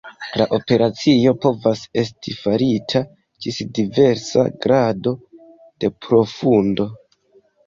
La operacio povas esti farita ĝis diversa grado de profundo.